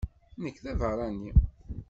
Nekk d abeṛṛani.